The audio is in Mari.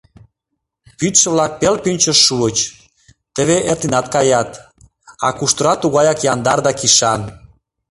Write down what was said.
Пӱчшӧ-влак пел пӱнчыш шуыч, теве эртенат каят, а куштыра тугаяк яндар да кишан.